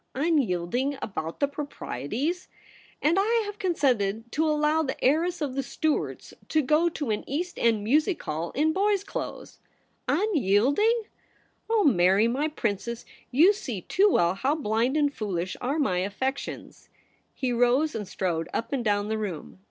' Unyielding about the proprieties ! And I have consented to allow the heiress of the Stuarts to go to an East End music hall in boy's clothes ! Unyielding ! Oh, Mary, my Princess, you see too well how blind and foolish are my affections.' He rose and strode up and down the room.